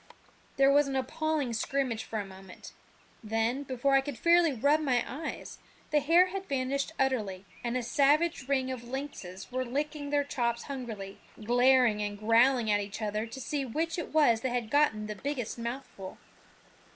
There was an appalling scrimmage for a moment; then, before I could fairly rub my eyes, the hare had vanished utterly, and a savage ring of lynxes were licking their chops hungrily, glaring and growling at each other to see which it was that had gotten the biggest mouthful.